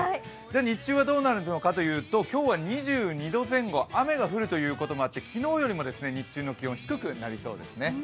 日中はどうなるのかというと今日は２２度前後、雨が降るということもあって昨日よりも日中の気温低くなりそうですね。